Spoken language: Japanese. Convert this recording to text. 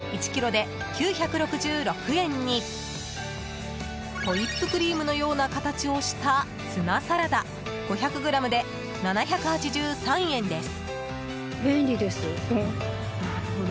大容量サツマイモサラダ１ｋｇで９６６円にホイップクリームのような形をしたツナサラダ５００ｇで７８３円です。